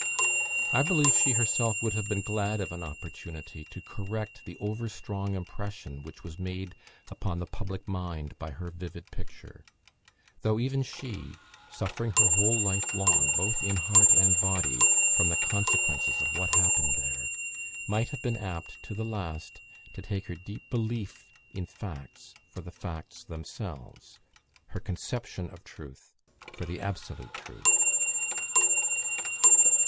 I believe she herself would have been glad of an opportunity to correct the over strong impression which was made upon the public mind by her vivid picture, though even she, suffering her whole life long, both in heart and body, from the consequences of what happened there, might have been apt, to the last, to take her deep belief in facts for the facts themselves her conception of truth for the absolute truth.